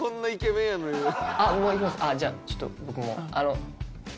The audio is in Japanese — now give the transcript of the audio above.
あっじゃあちょっと僕もう。